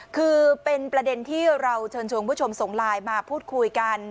คือเป็นประเด็นที่เราเชิญชวนคุณผู้ชมส่งไลน์มาพูดคุยกัน